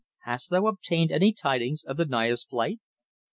Hast thou obtained any tidings of the Naya's flight?"